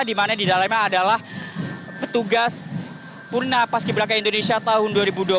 di mana di dalemnya adalah petugas purnapas kiberakan indonesia tahun dua ribu dua puluh dua